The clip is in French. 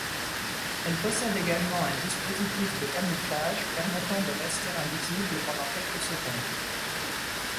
Elle possède également un dispositif de camouflage permettant de rester invisible pendant quelques secondes.